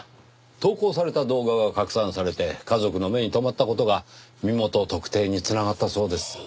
投稿された動画が拡散されて家族の目に留まった事が身元特定に繋がったそうです。